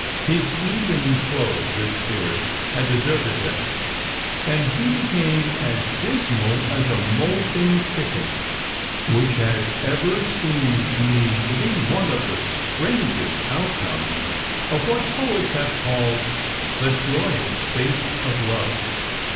His even flow of good spirits had deserted him, and he became as dismal as a moulting chicken, which has ever seemed to me to be one of the strangest outcomes of what poets have called the joyous state of love.